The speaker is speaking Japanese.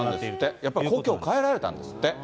やっぱり故郷に帰られたんですって。